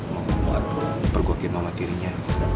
mau membuat pergokit mama tirinya